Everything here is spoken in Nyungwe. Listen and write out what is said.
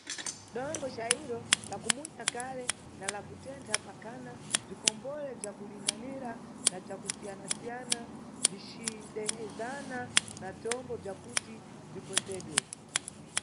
Dongo cayiro, la kumunya kale, na la kutentha, pakhana bzikombole bzakulinganira na bzakusiayana-siyana bzicidezana na bzombo bzakuti bzikonzedwe.